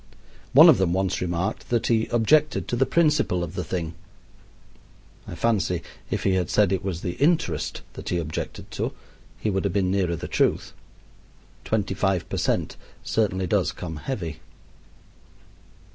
One of them once remarked that he objected to the principle of the thing. I fancy if he had said it was the interest that he objected to he would have been nearer the truth: twenty five per cent. certainly does come heavy.